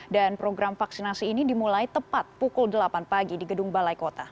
dan program vaksinasi ini dimulai tepat pukul delapan pagi di gedung balai kota